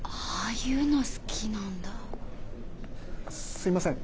すいません。